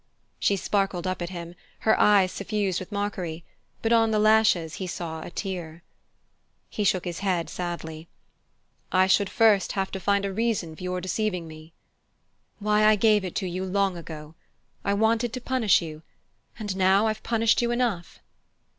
She sparkled up at him, her eyes suffused with mockery; but on the lashes he saw a tear. He shook his head sadly. "I should first have to find a reason for your deceiving me." "Why, I gave it to you long ago. I wanted to punish you and now I've punished you enough."